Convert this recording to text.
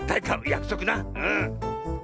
やくそくなうん。